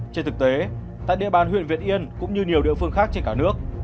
trên thực tế tại địa bàn huyện việt yên cũng như nhiều địa phương khác trên cả nước